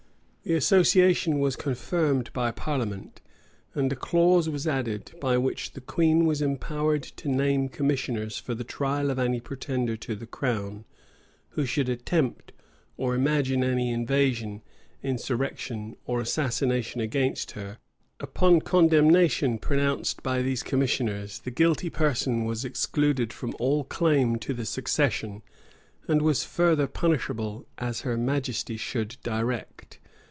The association was confirmed by parliament; and a clause was added by which the queen was empowered to name commissioners for the trial of any pretender to the crown, who should attempt or imagine any invasion, insurrection, or assassination against her: upon condemnation pronounced by these commissioners, the guilty person was excluded from all claim to the succession, and was further punishable as her majesty should direct.